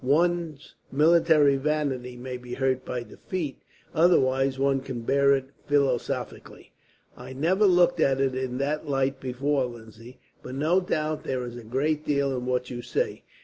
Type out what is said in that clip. One's military vanity may be hurt by defeat; otherwise, one can bear it philosophically." "I never looked at it in that light before, Lindsay, but no doubt there is a great deal in what you say.